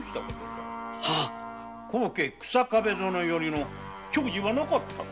高家日下部殿よりの教授はなかったのか？